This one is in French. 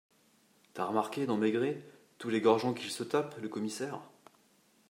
T’as remarqué, dans Maigret, tous les gorgeons qu’il se tape, le commissaire ?